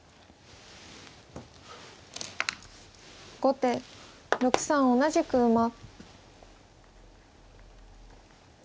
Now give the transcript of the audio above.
後手６三同じく馬。